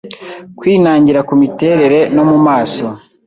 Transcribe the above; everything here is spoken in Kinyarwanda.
Kwinangira kumiterere no mumaso